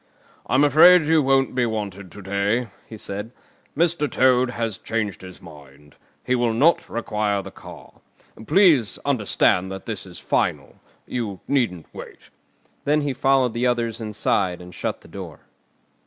"I'm afraid you won't be wanted to day," he said. "Mr. Toad has changed his mind. He will not require the car. Please understand that this is final. You needn't wait." Then he followed the others inside and shut the door.